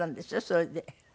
それで。